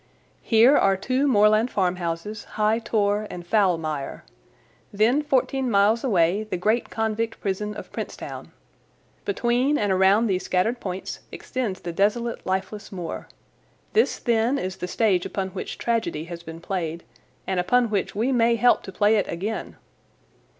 Here are two moorland farmhouses, High Tor and Foulmire. Then fourteen miles away the great convict prison of Princetown. Between and around these scattered points extends the desolate, lifeless moor. This, then, is the stage upon which tragedy has been played, and upon which we may help to play it again."